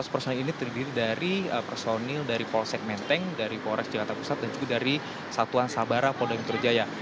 lima ratus personil ini terdiri dari personil dari polsek menteng dari polres jakarta pusat dan juga dari satuan sabara polda metro jaya